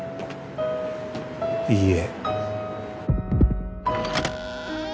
いいえ